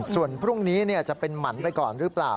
ส่วนพรุ่งนี้จะเป็นหมันไปก่อนหรือเปล่า